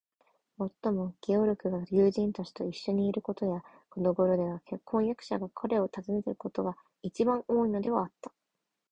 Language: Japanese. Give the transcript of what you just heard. もっとも、ゲオルクが友人たちといっしょにいることや、このごろでは婚約者が彼を訪ねることが、いちばん多いのではあった。